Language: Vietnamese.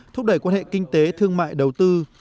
thúc đẩy quan hệ kinh tế thương mại đầu tư